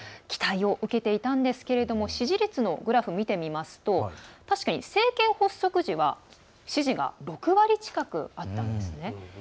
期待を受けていたんですけれども支持率のグラフを見てみますと確かに政権発足時は支持が６割近くあったんですね。